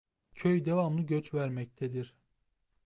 Köy devamlı göç vermektedir.